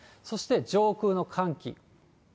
そして上空の寒気。